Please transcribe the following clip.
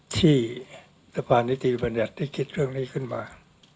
ที่สะพานนิติบัญญัติได้คิดเรื่องนี้ขึ้นมา